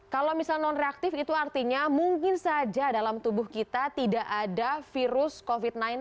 kalau misalnya non reaktif itu artinya mungkin saja dalam tubuh kita tidak ada virus covid sembilan belas